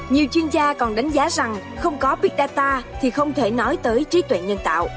nhiều chuyên gia còn đánh giá rằng không có big data thì không thể nói tới trí tuệ nhân tạo